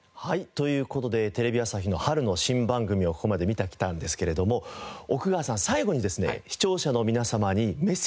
という事でテレビ朝日の春の新番組をここまで見てきたんですけれども奥川さん最後にですね視聴者の皆様にメッセージをお願いします。